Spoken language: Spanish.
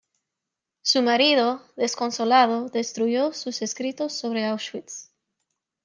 Su marido, desconsolado, destruyó sus escritos sobre Auschwitz.